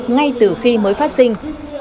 ngay từ khi mới phát sinh